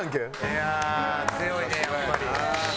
いやあ強いねやっぱり。